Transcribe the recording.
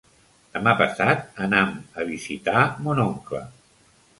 Demà passat anam a visitar mon oncle.